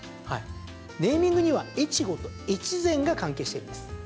ネーミングには越後と越前が関係しているんです。